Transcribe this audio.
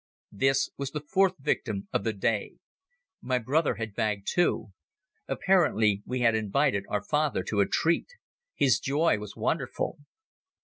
This was the fourth victim of the day. My brother had bagged two. Apparently, we had invited our father to a treat. His joy was wonderful.